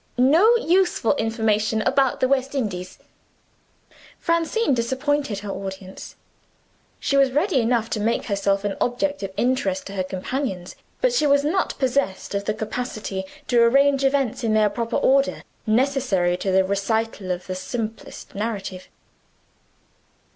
No useful information about the West Indies!" Francine disappointed her audience. She was ready enough to make herself an object of interest to her companions; but she was not possessed of the capacity to arrange events in their proper order, necessary to the recital of the simplest narrative.